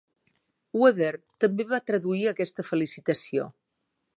Weber també va traduir aquesta felicitació.